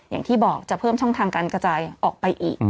อย่างที่บอกจะเพิ่มช่องทางการกระจายออกไปอีก